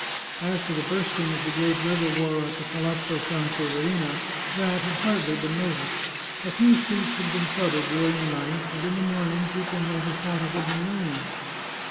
As to the bursting of the great reservoir at the Palazzo Sanseverina, that had hardly been noticed. A few streets had been flooded during the night, and in the morning peo ple might have thought it had been raining.